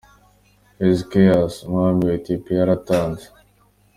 Hezqeyas, umwami wa Ethiopia yaratanze.